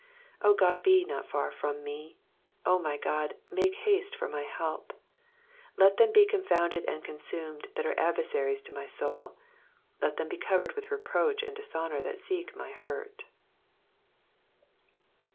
12 O God,, be not far from me: O my God, make haste for my help. 13 Let them be confounded and consumed that are adversa ries to my soul ; let them be covered with reproach and dishonour that seek my hurt.